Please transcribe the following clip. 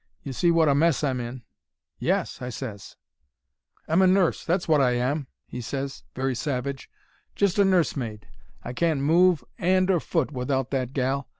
'You see wot a mess I'm in.' "'Yes,' I ses. "'I'm a nurse, that's wot I am,' he ses, very savage. 'Just a nursemaid. I can't move 'and or foot without that gal.